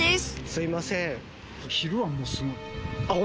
すいません。